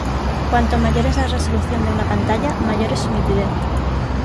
Cuanto mayor es la resolución de una pantalla, mayor es su nitidez.